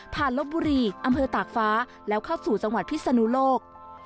ลบบุรีอำเภอตากฟ้าแล้วเข้าสู่จังหวัดพิศนุโลก